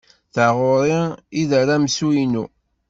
D taɣuri i d aramsu-inu.